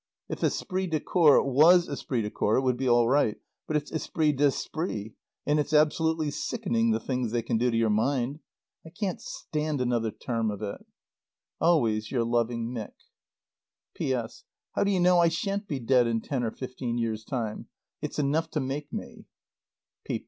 If esprit de corps was esprit de corps it would be all right. But it's esprit d'esprit. And it's absolutely sickening the things they can do to your mind. I can't stand another term of it. Always your loving MICK. P.S. How do you know I shan't be dead in ten or fifteen years' time? It's enough to make me.